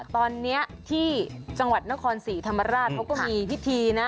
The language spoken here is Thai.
ตอนนี้ที่จังหวัดนครศรีธรรมราชเขาก็มีพิธีนะ